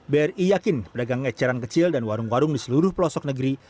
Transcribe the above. bri yakin pedagang eceran kecil dan warung warung di seluruh pelosok negeri